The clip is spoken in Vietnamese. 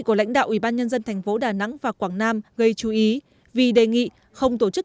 của lãnh đạo ủy ban nhân dân thành phố đà nẵng và quảng nam gây chú ý vì đề nghị không tổ chức